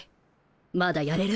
まだやれる？